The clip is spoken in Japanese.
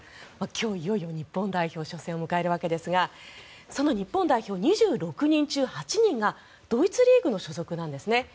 今日、いよいよ日本代表初戦を迎えるわけですがその日本代表、２６人中８人がドイツリーグの所属なんですね。